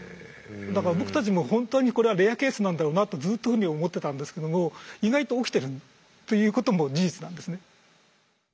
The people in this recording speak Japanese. だから僕たちも本当にこれはレアケースなんだろうなとずっとそういうふうに思ってたんですけども意外と起きてるということも事実なんですね。